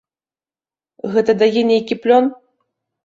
Гэта дае нейкі плён?